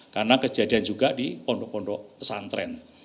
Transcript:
karena kejadian juga di pondok pondok pesantren